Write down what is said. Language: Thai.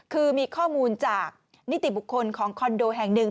คือมีข้อมูลจากนิติบุคคลของคอนโดแห่งหนึ่ง